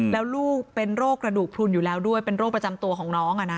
แล้วลูกเป็นโรคกระดูกพลุนอยู่แล้วด้วยเป็นโรคประจำตัวของน้อง